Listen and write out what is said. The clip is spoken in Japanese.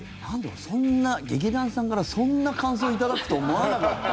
そんな劇団さんからそんな感想を頂くと思わなかった。